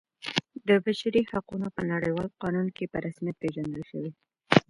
د بشري حقونو په نړیوال قانون کې په رسمیت پیژندل شوی.